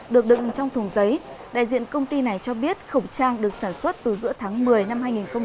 được đựng trong thùng giấy đại diện công ty này cho biết khẩu trang được sản xuất từ giữa tháng một mươi năm hai nghìn một mươi chín